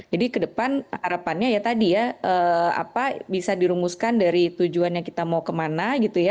jadi ke depan harapannya tadi ya bisa dirumuskan dari tujuan yang kita mau kemana